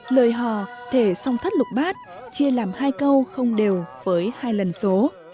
lời hò thể xong thất lục bát chia làm hai câu không đều với hai lần số